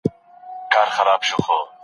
زه د چاپیریال په پاک ساتلو بوخت یم.